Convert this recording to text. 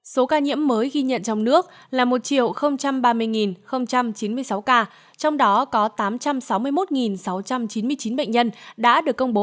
số ca nhiễm mới ghi nhận trong nước là một ba mươi chín mươi sáu ca trong đó có tám trăm sáu mươi một sáu trăm chín mươi chín bệnh nhân đã được công bố